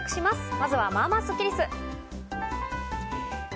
まずは、まあまあスッキりす。